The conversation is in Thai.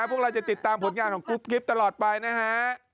พวกเราจะติดตามผลงานของกุ๊บกิ๊บตลอดไปนะฮะ